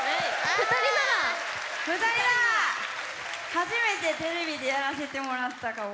初めてテレビでやらせてもらったかも。